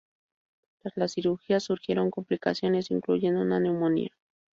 Tras la cirugía surgieron complicaciones, incluyendo una neumonía.